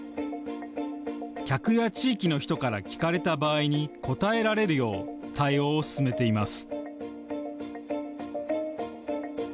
客や地域の人から聞かれた場合に答えられるよう対応を進めています